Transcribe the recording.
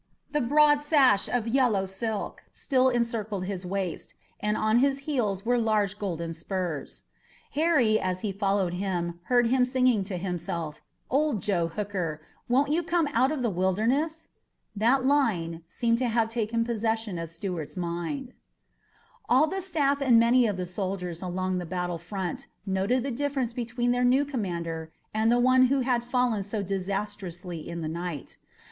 The broad sash of yellow silk still encircled his waist, and on his heels were large golden spurs. Harry, as he followed him, heard him singing to himself, "Old Joe Hooker, won't you come out of the Wilderness?" That line seemed to have taken possession of Stuart's mind. All the staff and many of the soldiers along the battle front noted the difference between their new commander and the one who had fallen so disastrously in the night.